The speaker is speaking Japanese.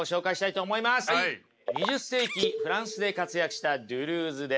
二十世紀フランスで活躍したドゥルーズです。